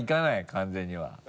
完全には。